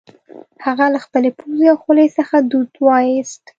هغه له خپلې پوزې او خولې څخه دود وایوست